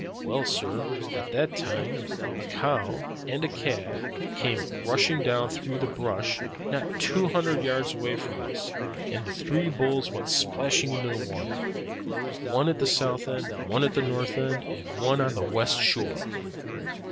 "Well, sir, at that, a cow and a calf came rushing down through the brush not two hundred yards away from us, and the three bulls went splash into the water, one at the south end, one at the north end, and one on the west shore.